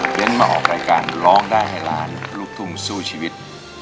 งั้นมาออกรายการร้องได้ให้ล้านลูกทุ่งสู้ชีวิต